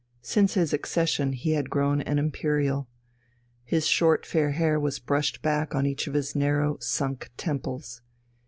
Since his accession he had grown an imperial. His short fair hair was brushed back on each of his narrow, sunk temples.